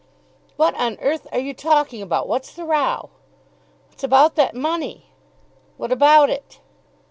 "What on earth are you talking about? What's the row?" "It's about that money." "What about it?"